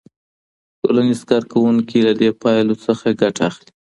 ټولنیز کارکوونکي له دې پایلو څخه ګټه اخلي.